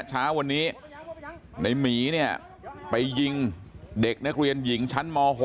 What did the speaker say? เช้าวันนี้ในหมีเนี่ยไปยิงเด็กนักเรียนหญิงชั้นม๖